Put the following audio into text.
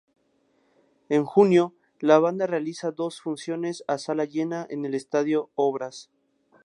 En junio, la banda realiza dos funciones a sala llena en el estadio Obras.